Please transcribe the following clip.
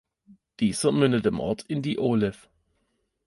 Dieser mündet im Ort in die Olef.